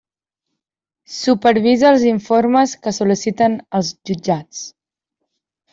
Supervisa els informes que sol·liciten els jutjats.